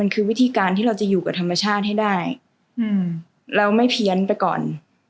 คือวิธีการที่เราจะอยู่กับธรรมชาติให้ได้เราไม่เพี้ยนไปก่อน